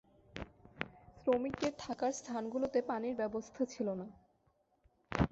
শ্রমিকদের থাকার স্থানগুলোতে পানির ব্যবস্থা ছিল না।